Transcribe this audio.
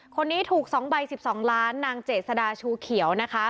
คนนี้ถูกสองใบสิบสองล้านนางเจสดาชูเขียวนะคะ